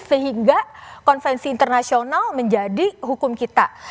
sehingga konvensi internasional menjadi hukum kita